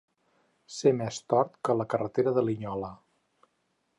Ser més tort que la carretera de Linyola.